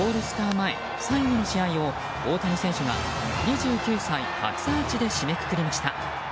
前最後の試合を大谷選手が、２９歳初アーチで締めくくりました。